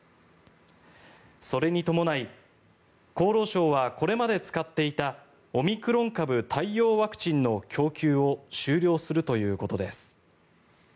それに伴い厚労省はこれまで使っていたオミクロン株対応ワクチンの供給を終了するということです。